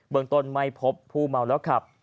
เมืองต้นไม่พบผู้เมาแล้วขับ